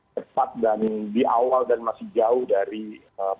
tepat dan di awal dan masih jauh dari politik